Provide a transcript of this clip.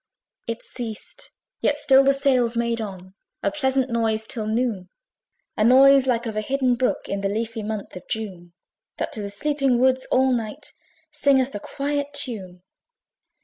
It ceased; yet still the sails made on A pleasant noise till noon, A noise like of a hidden brook In the leafy month of June, That to the sleeping woods all night Singeth a quiet tune.